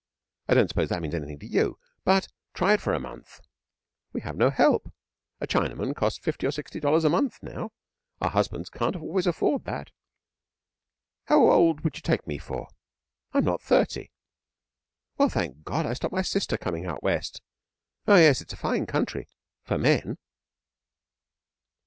I don't suppose that means anything to you, but try it for a month! We have no help. A Chinaman costs fifty or sixty dollars a month now. Our husbands can't always afford that. How old would you take me for? I'm not thirty. Well thank God, I stopped my sister coming out West. Oh yes, it's a fine country for men.'